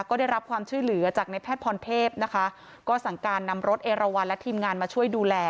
ก็ได้รับความช่วยเหลือจากในแพทย์พรเทพนะคะก็สั่งการนำรถเอราวันและทีมงานมาช่วยดูแล